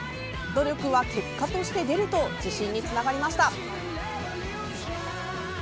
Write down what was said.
努力は結果として出ると自信につながりました。